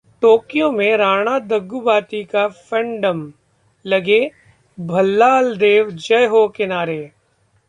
Tokyo में राणा दग्गुबाती का fandom, लगे भल्लालदेव जय हो... के नारे